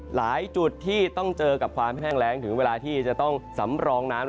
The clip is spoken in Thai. จุดที่ต้องเจอกับความแห้งแรงถึงเวลาที่จะต้องสำรองน้ำ